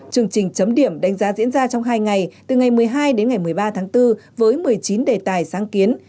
chương trình chấm điểm đánh giá diễn ra trong hai ngày từ ngày một mươi hai đến ngày một mươi ba tháng bốn với một mươi chín đề tài sáng kiến